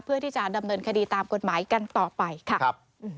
เพื่อที่จะดำเนินคดีตามกฎหมายกันต่อไปค่ะครับ